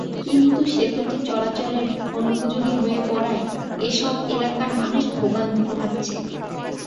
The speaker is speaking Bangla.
কিন্তু সেতুটি চলাচলের অনুপযোগী হয়ে পড়ায় এসব এলাকার মানুষ ভোগান্তি পোহাচ্ছে।